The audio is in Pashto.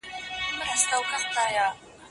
ما ته خپل د خاطراتو کتابچه وښیه.